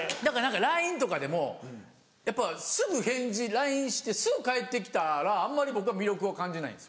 ＬＩＮＥとかでもやっぱすぐＬＩＮＥしてすぐ返って来たらあんまり僕は魅力を感じないです。